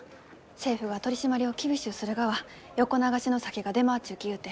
政府が取締りを厳しゅうするがは横流しの酒が出回っちゅうきゆうて。